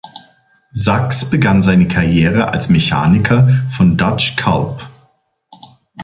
Sachs begann seine Karriere als Mechaniker von Dutch Culp.